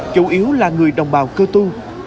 chủ yếu là người đồng bào cơ tu